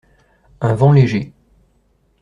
Un vent léger.